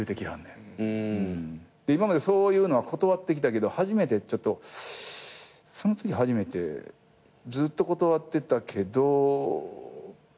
今までそういうのは断ってきたけどそのとき初めてずっと断ってたけど。